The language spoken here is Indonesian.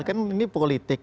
kan ini politik